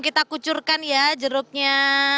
kita kucurkan ya jeruknya